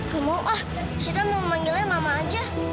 gak mau ah sita mau manggilnya mama aja